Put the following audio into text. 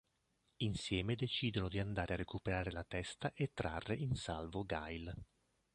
Insieme decidono di andare a recuperare la testa e trarre in salvo Gail.